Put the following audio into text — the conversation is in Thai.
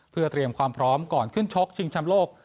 เพื่อเตรียมความพร้อมก่อนขึ้นชกชิงชำโลก